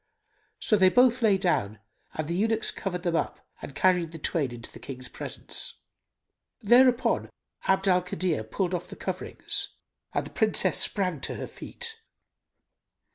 So they both lay down and the eunuchs covered them up and carried the twain into the King's presence. Thereupon Abd al Kadir pulled off the coverings and the Princess sprang to her feet.